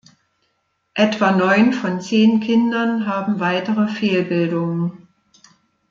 Etwa neun von zehn Kindern haben weitere Fehlbildungen.